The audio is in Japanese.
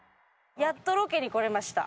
やっとロケに来れました。